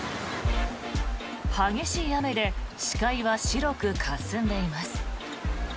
激しい雨で視界は白くかすんでいます。